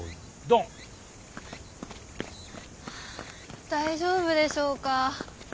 あ大丈夫でしょうか。